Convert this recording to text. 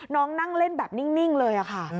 น้องนั่งเล่นแบบนิ่งเลยค่ะ